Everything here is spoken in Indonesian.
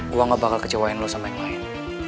gua gak bakal kecewain lo sama yang lain